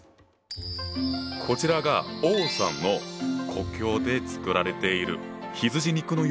こちらが王さんの故郷で作られている羊肉の羊羹。